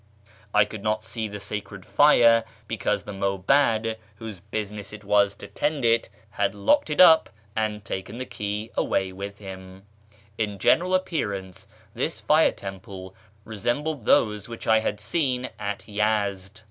I could not see the sacred fire, because the miihad whose business it was to tend it had locked it up and 442 A YEAR AMONGST THE PERSIANS taken the key away with him. In Ljeneral appearance this fire teni])le resembled those wliich 1 liad seen at Yezd.